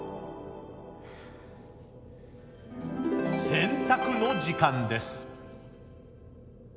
選択の時間です。